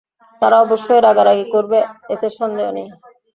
তারা অবশ্যই রাগারাগী করবে এতে সন্দেহ নেই।